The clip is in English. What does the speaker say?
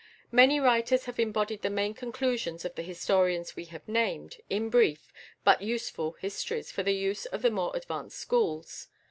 Many writers have embodied the main conclusions of the historians we have named, in brief, but useful, histories for the use of the more advanced schools.